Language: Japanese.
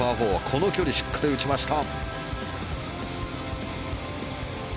この距離しっかり打ちました。